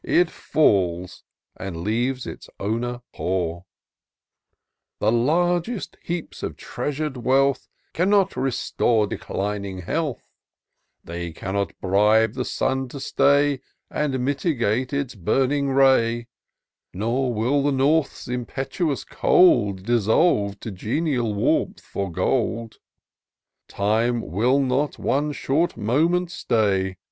It Mb, and leaves its owner poor. The largest heaps of treasured wealth Cannot restore declining health ; They cannot bribe the sun to stay, And mitigate his burning ray ; Nor will the North's imperious cold Dissolve to genial warmth for gold : Time will not one short moment stay.